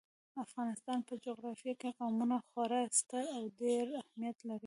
د افغانستان په جغرافیه کې قومونه خورا ستر او ډېر اهمیت لري.